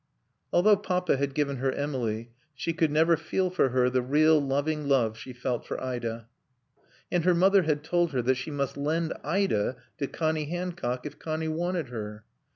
Although Papa had given her Emily, she could never feel for her the real, loving love she felt for Ida. And her mother had told her that she must lend Ida to Connie Hancock if Connie wanted her.